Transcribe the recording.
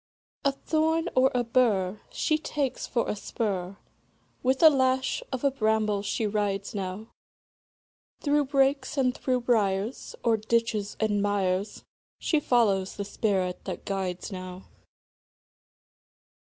A thorn or a bur She takes for a spur; With a lash of a bramble she rides now, Through brakes and through briars, O'er ditches and mires, She follows the spirit that guides now.